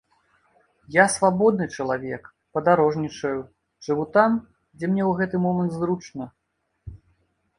Я свабодны чалавек, падарожнічаю, жыву там, дзе мне ў гэты момант зручна.